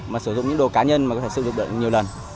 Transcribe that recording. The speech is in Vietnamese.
mà sử dụng những đồ cá nhân mà có thể sử dụng được nhiều lần